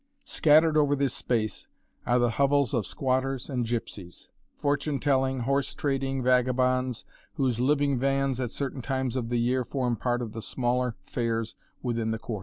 Scattered over this space are the hovels of squatters and gipsies fortune telling, horse trading vagabonds, whose living vans at certain times of the year form part of the smaller fairs within the Quarter.